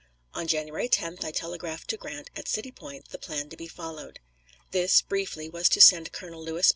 On January 10th I telegraphed to Grant at City Point the plan to be followed. This, briefly, was to send Colonel Lewis B.